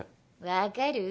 分かる？